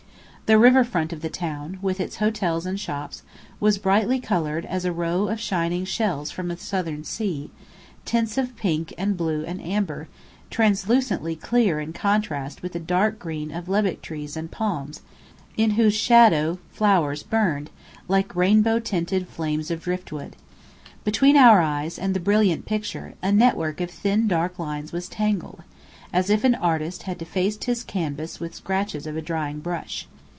The river front of the town, with its hotels and shops, was brightly coloured as a row of shining shells from a southern sea; tints of pink and blue and amber, translucently clear in contrast with the dark green of lebbek trees and palms, in whose shadow flowers burned, like rainbow tinted flames of driftwood. Between our eyes and the brilliant picture, a network of thin dark lines was tangled, as if an artist had defaced his canvas with scratches of a drying brush.